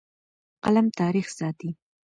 قلم تاریخ ساتي.